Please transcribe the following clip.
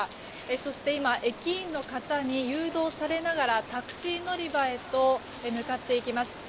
そして、今駅員の方に誘導されながらタクシー乗り場へと向かっていきます。